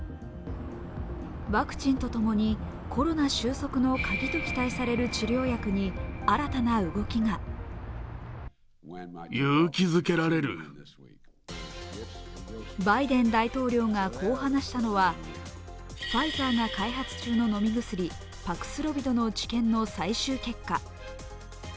ワクチンとともにコロナ収束の鍵と期待される治療薬に新たな動きがバイデン大統領がこう話したのは、ファイザーが開発中の飲み薬、パクスロビドの治験の最終結果。